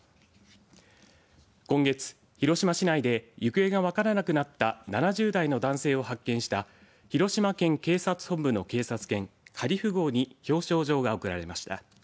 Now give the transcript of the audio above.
今月、広島市内で行方が分からなくなった７０代の男性を発見した広島県警察本部の警察犬カリフ号に表彰状が贈られました。